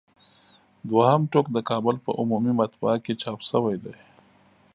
دوهم ټوک د کابل په عمومي مطبعه کې چاپ شوی دی.